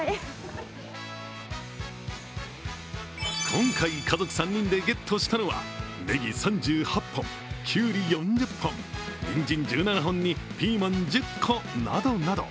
今回、家族３人でゲットしたのはネギ３８本、キュウリ４０本、ニンジン１７本にピーマン１０個などなど。